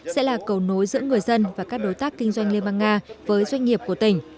sẽ là cầu nối giữa người dân và các đối tác kinh doanh liên bang nga với doanh nghiệp của tỉnh